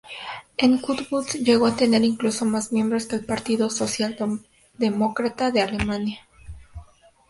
En Cottbus, llegó a tener incluso más miembros que el Partido Socialdemócrata de Alemania.